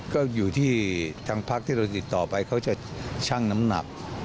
ก็อยู่ที่ทางพักที่เราติดต่อไปเขาจะชั่งน้ำหนัก